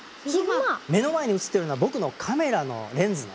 目の前に写ってるのは僕のカメラのレンズね。